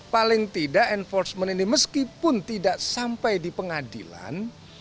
paling tidak enforcement ini meskipun tidak sampai di pengadilan